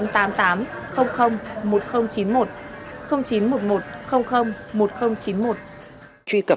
trí cập vào mục tiêu